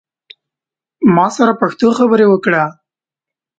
ما سره پښتو خبری اوکړه